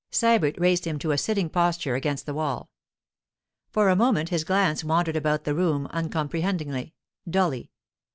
Sybert raised him to a sitting posture against the wall. For a moment his glance wandered about the room, uncomprehendingly, dully.